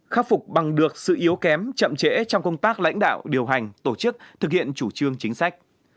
khắc phục bằng được sự yếu kém chậm trễ trong công tác lãnh đạo điều hành tổ chức thực hiện chủ trương chính sách